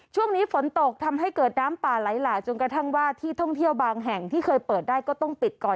ช่วงนี้ฝนตกทำให้เกิดน้ำป่าไหลหลากจนกระทั่งว่าที่ท่องเที่ยวบางแห่งที่เคยเปิดได้ก็ต้องปิดก่อน